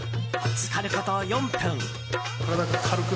浸かること４分。